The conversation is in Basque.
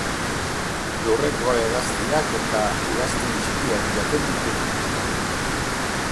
Lurreko hegaztiak eta ugaztun txikiak jaten ditu.